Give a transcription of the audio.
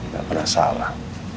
tidak pernah salah